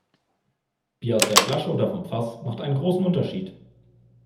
Bier aus der Flasche oder vom Fass macht einen großen Unterschied.